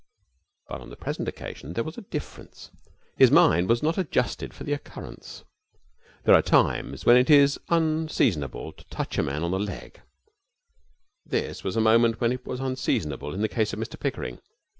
But on the present occasion there was a difference. His mind was not adjusted for the occurrence. There are times when it is unseasonable to touch a man on the leg. This was a moment when it was unseasonable in the case of Mr Pickering.